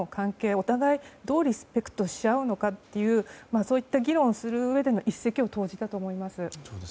お互いをどうリスペクトし合うのかそういった議論をするうえで一石を投じたと思います。